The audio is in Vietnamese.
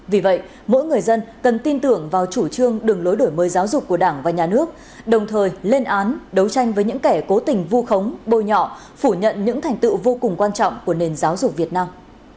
vì vậy mỗi người dân cần tin tưởng vào chủ trương đường lối đổi mới giáo dục của đảng và nhà nước đồng thời lên án đấu tranh với những kẻ cố tình vu khống bôi nhọ phủ nhận những thành tựu vô cùng quan trọng của nền giáo dục việt nam